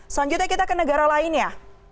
selanjutnya kita ke negara lainnya